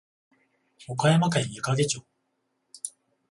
岡山県矢掛町